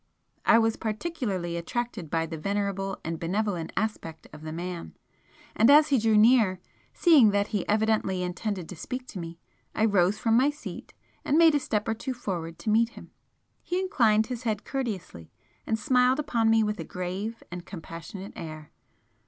I was particularly attracted by the venerable and benevolent aspect of the man and as he drew near, seeing that he evidently intended to speak to me, I rose from my seat, and made a step or two forward to meet him. He inclined his head courteously, and smiled upon me with a grave and compassionate air.